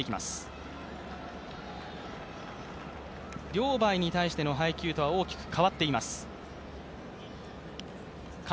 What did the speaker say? リョウ・バイに対しての配球とは大きく変わっています。